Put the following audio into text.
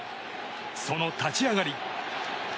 その立ち上がり。